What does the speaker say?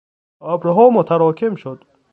ابرها متراکم شد.